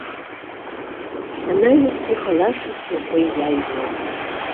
Анаҩс иҟалаша снапы иаҩуам.